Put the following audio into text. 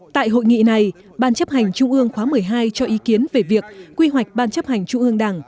tại hội nghị này ban chấp hành trung ương khóa một mươi hai cho ý kiến về việc quy hoạch ban chấp hành trung ương đảng